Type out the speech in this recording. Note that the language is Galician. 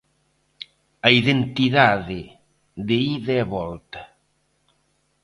A identidade de ida e volta.